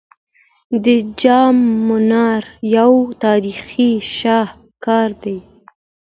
د جام منار یو تاریخي شاهکار دی